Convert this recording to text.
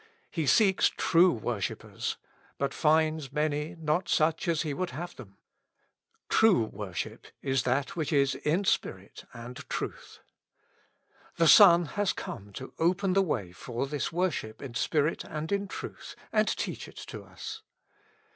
He seeks true worshippers, but finds many not such as he would have them. True wor ship is that which is in spirit and truth. The So7i has come to open the way for this worship in spirit and in truth, and teach it us.